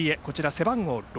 背番号６。